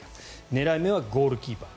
狙い目はゴールキーパー